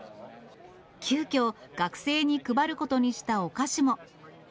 急きょ、学生に配ることにしたお菓子も。